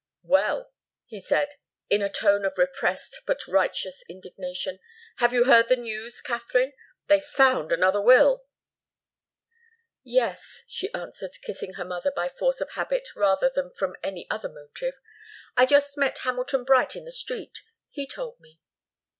"Well," he said, in a tone of repressed but righteous indignation, "have you heard the news, Katharine? They've found another will." "Yes," she answered, kissing her mother by force of habit rather than from any other motive. "I just met Hamilton Bright in the street. He told me."